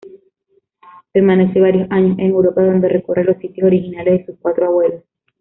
Permanece varios años en Europa donde recorre los sitios originales de sus cuatro abuelos.